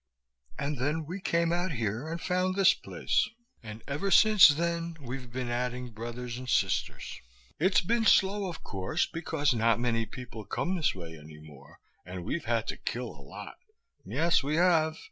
"And then we came out here, and found this place, and ever since then we've been adding brothers and sisters. It's been slow, of course, because not many people come this way any more, and we've had to kill a lot. Yes, we have.